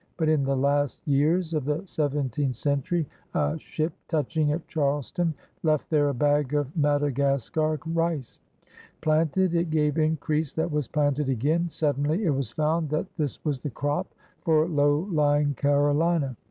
But in the last years of the seventeenth century a ship touching at Charleston left there a bag of Madagascar rice. Planted, it gave increase that was planted again. Suddenly it was found that this was the crop for low lying Carolina.